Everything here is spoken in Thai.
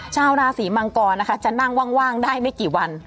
ชาวราศีมังกรนะคะจะนั่งว่างได้ไม่กี่วัน